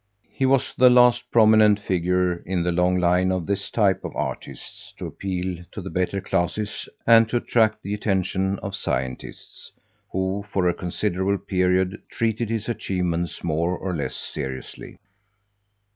He was the last prominent figure in the long line of this type of artists to appeal to the better classes and to attract the attention of scientists, who for a considerable period treated his achievements more or less seriously.